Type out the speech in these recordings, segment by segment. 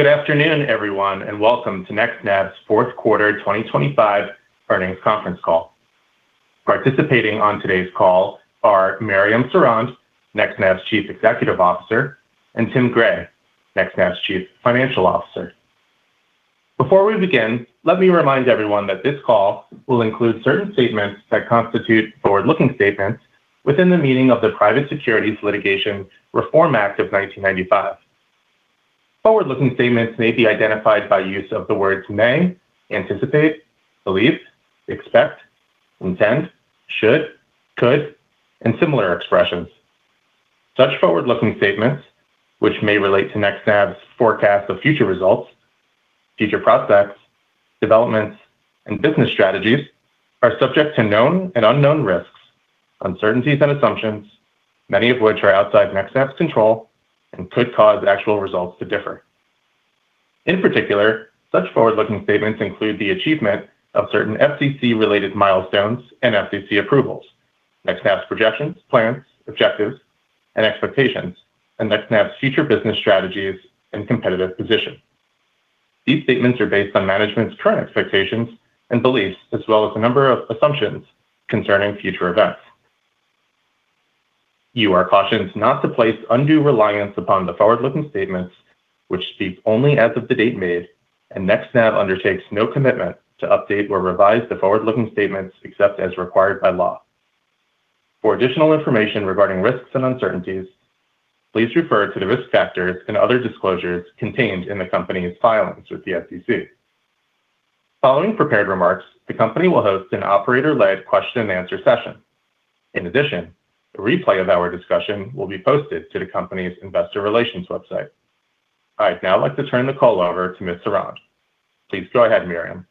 Good afternoon, everyone, and welcome to NextNav's fourth quarter 2025 earnings conference call. Participating on today's call are Mariam Sorond, NextNav's Chief Executive Officer, and Tim Gray, NextNav's Chief Financial Officer. Before we begin, let me remind everyone that this call will include certain statements that constitute forward-looking statements within the meaning of the Private Securities Litigation Reform Act of 1995. Forward-looking statements may be identified by use of the words may, anticipate, believe, expect, intend, should, could, and similar expressions. Such forward-looking statements, which may relate to NextNav's forecast of future results, future prospects, developments, and business strategies are subject to known and unknown risks, uncertainties and assumptions, many of which are outside NextNav's control and could cause actual results to differ. In particular, such forward-looking statements include the achievement of certain FCC-related milestones and FCC approvals, NextNav's projections, plans, objectives and expectations, and NextNav's future business strategies and competitive position. These statements are based on management's current expectations and beliefs, as well as a number of assumptions concerning future events. You are cautioned not to place undue reliance upon the forward-looking statements which speak only as of the date made, and NextNav undertakes no commitment to update or revise the forward-looking statements except as required by law. For additional information regarding risks and uncertainties, please refer to the risk factors and other disclosures contained in the company's filings with the SEC. Following prepared remarks, the company will host an operator-led question and answer session. In addition, a replay of our discussion will be posted to the company's investor relations website. I'd now like to turn the call over to Ms. Sorond. Please go ahead, Mariam.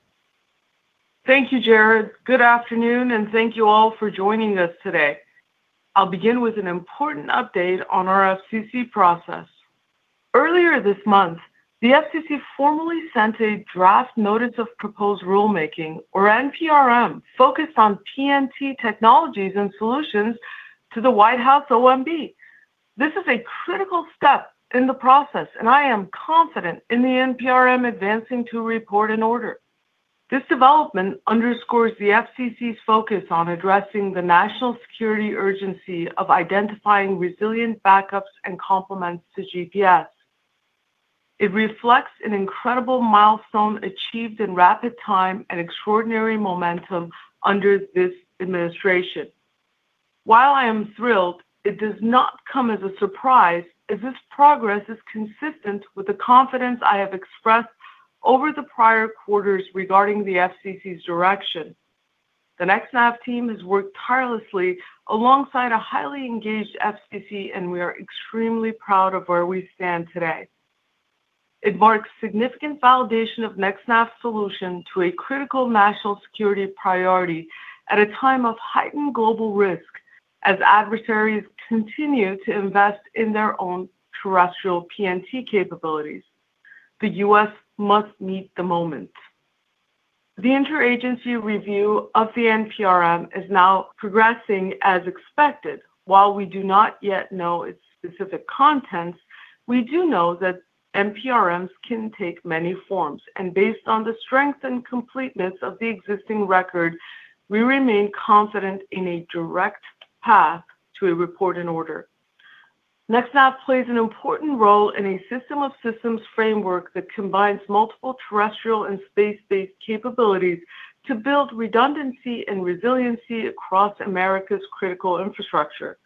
Thank you, Jared. Good afternoon and thank you all for joining us today. I'll begin with an important update on our FCC process. Earlier this month, the FCC formally sent a draft notice of proposed rulemaking or NPRM focused on PNT technologies and solutions to the White House OMB. This is a critical step in the process, and I am confident in the NPRM advancing to Report and Order. This development underscores the FCC's focus on addressing the national security urgency of identifying resilient backups and complements to GPS. It reflects an incredible milestone achieved in rapid time and extraordinary momentum under this administration. While I am thrilled, it does not come as a surprise as this progress is consistent with the confidence I have expressed over the prior quarters regarding the FCC's direction. The NextNav team has worked tirelessly alongside a highly engaged FCC, and we are extremely proud of where we stand today. It marks significant validation of NextNav's solution to a critical national security priority at a time of heightened global risk as adversaries continue to invest in their own terrestrial PNT capabilities. The U.S. must meet the moment. The inter-agency review of the NPRM is now progressing as expected. While we do not yet know its specific contents, we do know that NPRMs can take many forms and based on the strength and completeness of the existing record, we remain confident in a direct path to a Report and Order. NextNav plays an important role in a system of systems framework that combines multiple terrestrial and space-based capabilities to build redundancy and resiliency across America's critical infrastructure.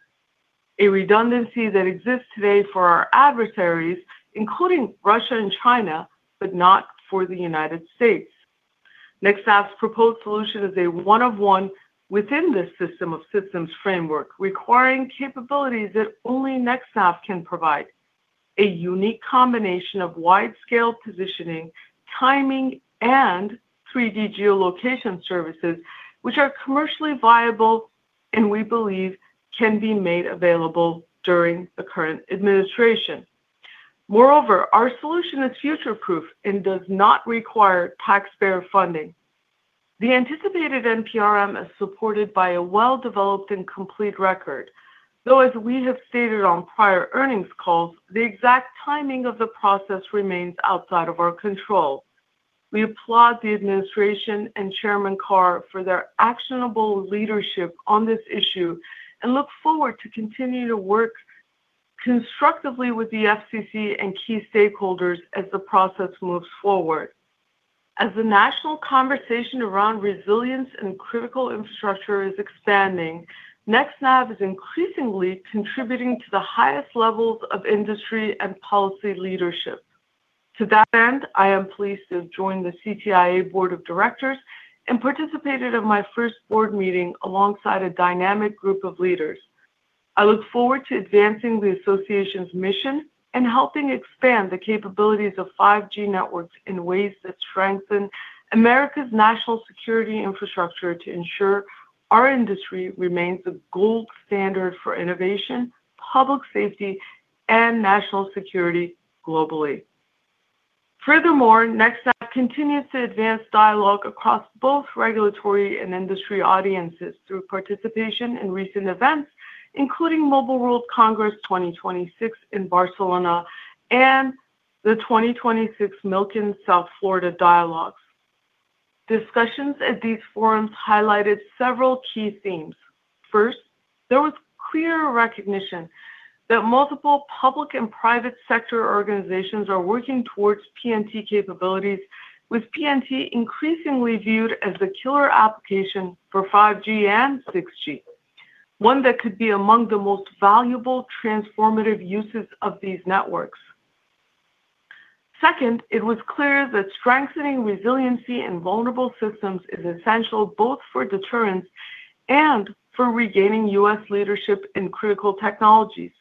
A redundancy that exists today for our adversaries, including Russia and China, but not for the United States. NextNav's proposed solution is a one of one within this system of systems framework, requiring capabilities that only NextNav can provide. A unique combination of wide-scale positioning, timing, and 3D geolocation services which are commercially viable and we believe can be made available during the current administration. Moreover, our solution is future-proof and does not require taxpayer funding. The anticipated NPRM is supported by a well-developed and complete record. Though as we have stated on prior earnings calls, the exact timing of the process remains outside of our control. We applaud the administration and Chairman Carr for their actionable leadership on this issue and look forward to continue to work constructively with the FCC and key stakeholders as the process moves forward. As the national conversation around resilience and critical infrastructure is expanding, NextNav is increasingly contributing to the highest levels of industry and policy leadership. To that end, I am pleased to have joined the CTIA Board of Directors and participated in my first board meeting alongside a dynamic group of leaders. I look forward to advancing the association's mission and helping expand the capabilities of 5G networks in ways that strengthen America's national security infrastructure to ensure our industry remains the gold standard for innovation, public safety, and national security globally. Furthermore, NextNav continues to advance dialogue across both regulatory and industry audiences through participation in recent events, including Mobile World Congress 2026 in Barcelona and the 2026 Milken Institute South Florida Dialogues. Discussions at these forums highlighted several key themes. First, there was clear recognition that multiple public and private sector organizations are working towards PNT capabilities with PNT increasingly viewed as the killer application for 5G and 6G. One that could be among the most valuable transformative uses of these networks. Second, it was clear that strengthening resiliency and vulnerable systems is essential both for deterrence and for regaining U.S. leadership in critical technologies.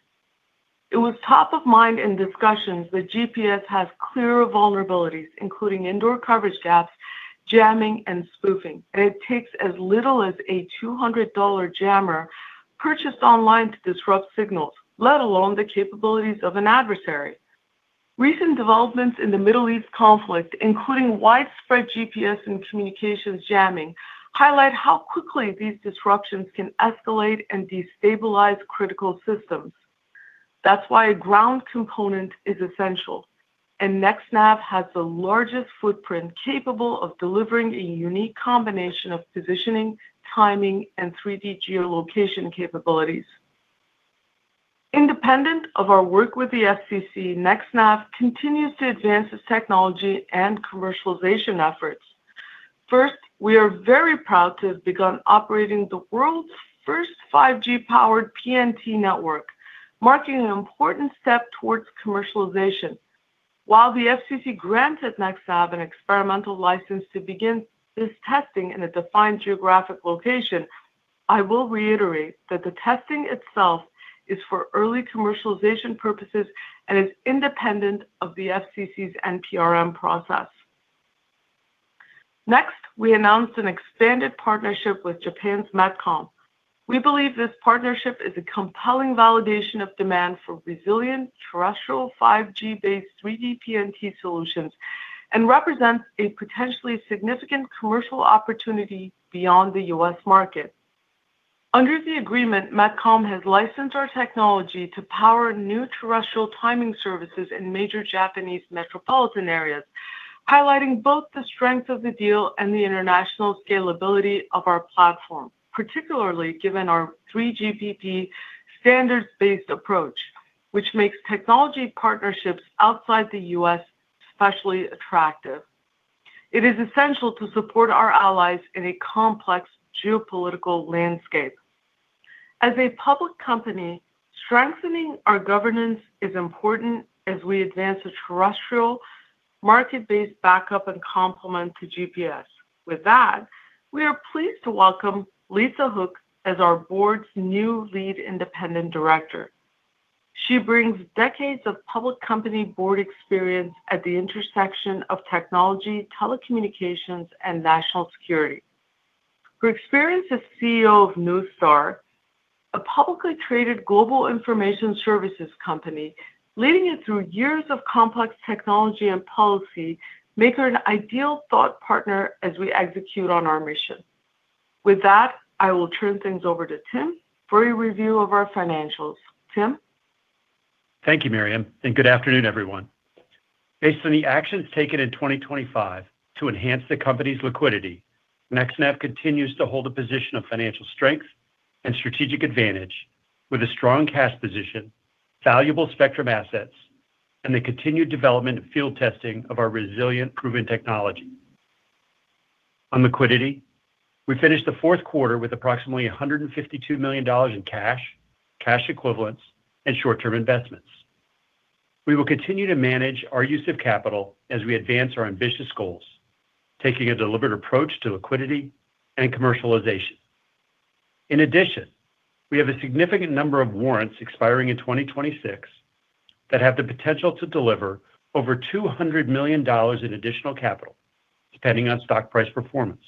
It was top of mind in discussions that GPS has clear vulnerabilities, including indoor coverage gaps, jamming, and spoofing. It takes as little as a $200 jammer purchased online to disrupt signals, let alone the capabilities of an adversary. Recent developments in the Middle East conflict, including widespread GPS and communications jamming, highlight how quickly these disruptions can escalate and destabilize critical systems. That's why a ground component is essential, and NextNav has the largest footprint capable of delivering a unique combination of positioning, timing, and 3D geolocation capabilities. Independent of our work with the FCC, NextNav continues to advance its technology and commercialization efforts. First, we are very proud to have begun operating the world's first 5G-powered PNT network, marking an important step towards commercialization. While the FCC granted NextNav an experimental license to begin this testing in a defined geographic location, I will reiterate that the testing itself is for early commercialization purposes and is independent of the FCC's NPRM process. Next, we announced an expanded partnership with Japan's MetCom. We believe this partnership is a compelling validation of demand for resilient terrestrial 5G-based 3D PNT solutions and represents a potentially significant commercial opportunity beyond the U.S. market. Under the agreement, MetCom has licensed our technology to power new terrestrial timing services in major Japanese metropolitan areas, highlighting both the strength of the deal and the international scalability of our platform, particularly given our 3GPP standards-based approach, which makes technology partnerships outside the U.S. especially attractive. It is essential to support our allies in a complex geopolitical landscape. As a public company, strengthening our governance is important as we advance a terrestrial market-based backup and complement to GPS. With that, we are pleased to welcome Lisa Hook as our board's new lead independent director. She brings decades of public company board experience at the intersection of technology, telecommunications, and national security. Her experience as CEO of Neustar, a publicly traded global information services company, leading it through years of complex technology and policy, make her an ideal thought partner as we execute on our mission. With that, I will turn things over to Tim for a review of our financials. Tim? Thank you, Mariam, and good afternoon, everyone. Based on the actions taken in 2025 to enhance the company's liquidity, NextNav continues to hold a position of financial strength and strategic advantage with a strong cash position, valuable spectrum assets, and the continued development of field testing of our resilient proven technology. On liquidity, we finished the fourth quarter with approximately $152 million in cash equivalents, and short-term investments. We will continue to manage our use of capital as we advance our ambitious goals, taking a deliberate approach to liquidity and commercialization. In addition, we have a significant number of warrants expiring in 2026 that have the potential to deliver over $200 million in additional capital depending on stock price performance.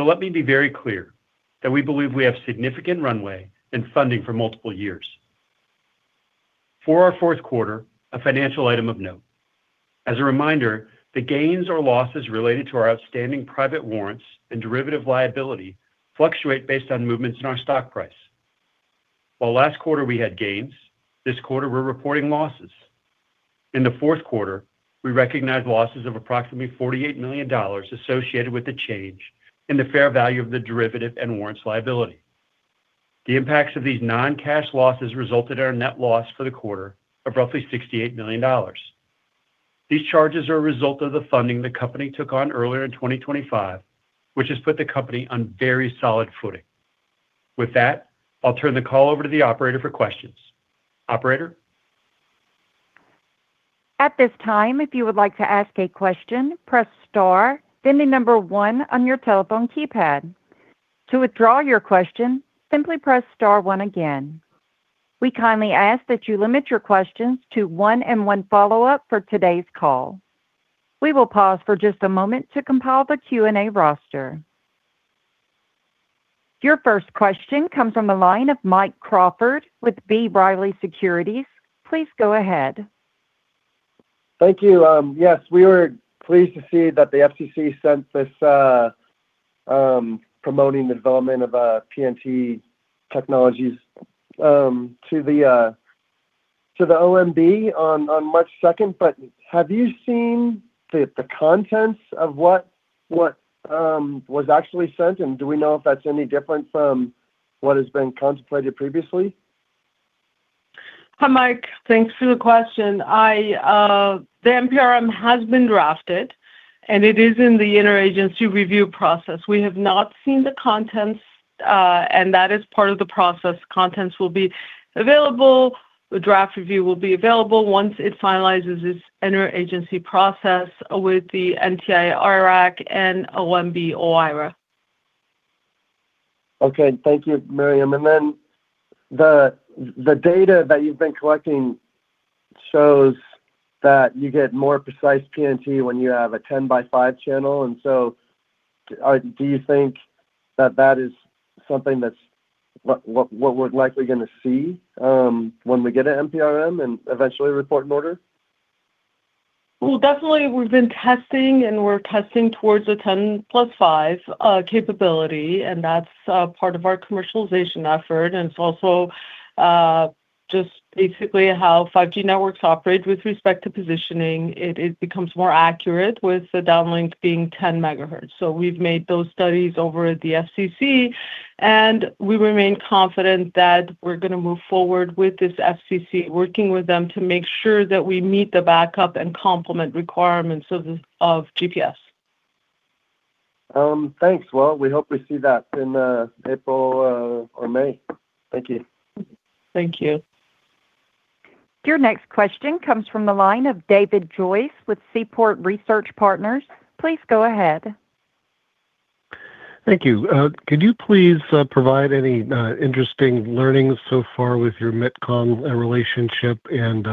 Let me be very clear that we believe we have significant runway and funding for multiple years. For our fourth quarter, a financial item of note. As a reminder, the gains or losses related to our outstanding private warrants and derivative liability fluctuate based on movements in our stock price. While last quarter we had gains, this quarter we're reporting losses. In the fourth quarter, we recognized losses of approximately $48 million associated with the change in the fair value of the derivative and warrants liability. The impacts of these non-cash losses resulted in our net loss for the quarter of roughly $68 million. These charges are a result of the funding the company took on earlier in 2025, which has put the company on very solid footing. With that, I'll turn the call over to the operator for questions. Operator? At this time, if you would like to ask a question, press star, then the number one on your telephone keypad. To withdraw your question, simply press star one again. We kindly ask that you limit your questions to one and one follow-up for today's call. We will pause for just a moment to compile the Q&A roster. Your first question comes from the line of Mike Crawford with B. Riley Securities. Please go ahead. Thank you. Yes, we were pleased to see that the FCC sent this promoting the development of PNT technologies to the OMB on March second, but have you seen the contents of what was actually sent? Do we know if that's any different from what has been contemplated previously? Hi, Mike. Thanks for the question. The NPRM has been drafted, and it is in the inter-agency review process. We have not seen the contents, and that is part of the process. Contents will be available. The draft review will be available once it finalizes its inter-agency process with the NTIA, IRAC, and OMB, OIRA. Okay. Thank you, Mariam. Then the data that you've been collecting shows that you get more precise PNT when you have a 10 by five channel and so do you think that is something that's what we're likely gonna see when we get an NPRM and eventually Report and Order? Well, definitely we've been testing, and we're testing towards a 10+ five capability, and that's part of our commercialization effort, and it's also just basically how 5G networks operate with respect to positioning. It becomes more accurate with the downlink being 10 MHz. We've made those studies over at the FCC, and we remain confident that we're gonna move forward with this FCC, working with them to make sure that we meet the backup and complement requirements of GPS. Thanks. Well, we hope we see that in April or May. Thank you. Thank you. Your next question comes from the line of David Joyce with Seaport Research Partners. Please go ahead. Thank you. Could you please provide any interesting learnings so far with your MetCom relationship and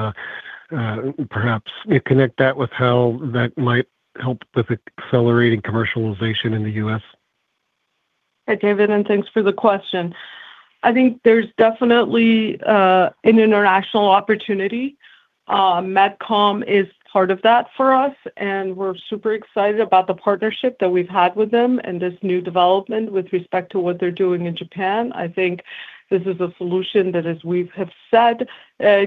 perhaps connect that with how that might help with accelerating commercialization in the U.S.? Hi, David, and thanks for the question. I think there's definitely an international opportunity. MetCom is part of that for us, and we're super excited about the partnership that we've had with them and this new development with respect to what they're doing in Japan. I think this is a solution that, as we have said,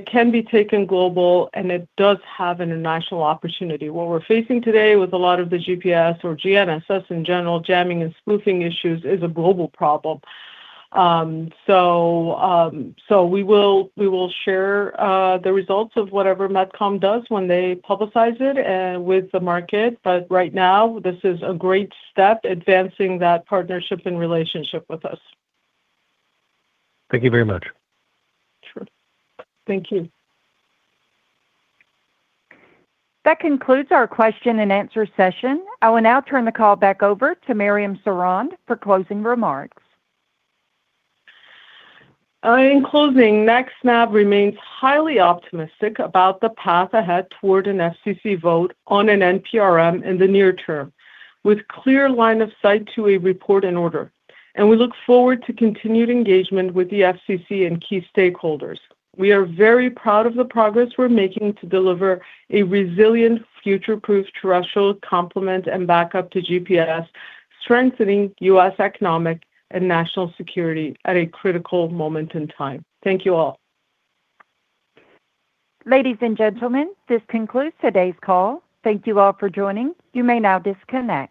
can be taken global, and it does have an international opportunity. What we're facing today with a lot of the GPS or GNSS in general, jamming and spoofing issues, is a global problem. We will share the results of whatever MetCom does when they publicize it with the market. Right now, this is a great step advancing that partnership and relationship with us. Thank you very much. Sure. Thank you. That concludes our question-and-answer session. I will now turn the call back over to Mariam Sorond for closing remarks. In closing, NextNav remains highly optimistic about the path ahead toward an FCC vote on an NPRM in the near term, with clear line of sight to a Report and Order. We look forward to continued engagement with the FCC and key stakeholders. We are very proud of the progress we're making to deliver a resilient, future-proof terrestrial complement and backup to GPS, strengthening U.S. economic and national security at a critical moment in time. Thank you all. Ladies and gentlemen, this concludes today's call. Thank you all for joining. You may now disconnect.